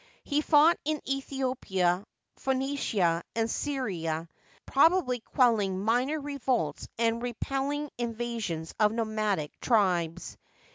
He fought in Aethiopia, Phoenicia, and Syria, probably quelling minor revolts and repelling invasions of nomadic tribes.